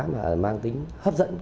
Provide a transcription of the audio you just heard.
mà mang tính hấp dẫn